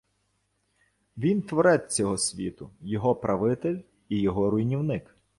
Він творець цього світу, його правитель і його руйнівник.